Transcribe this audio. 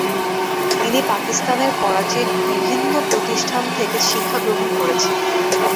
তিনি পাকিস্তানের করাচির বিভিন্ন প্রতিষ্ঠান থেকে শিক্ষা গ্রহণ করেছেন।